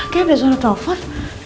kayaknya ada suara telepon